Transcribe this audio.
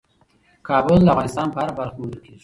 کابل د افغانستان په هره برخه کې موندل کېږي.